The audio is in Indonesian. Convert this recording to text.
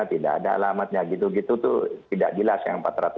tidak ada alamatnya gitu gitu tuh tidak jelas yang empat ratus lima puluh